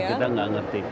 kita enggak ngerti